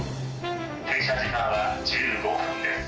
停車時間は１５分です。